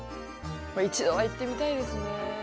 一度は行ってみたいですね。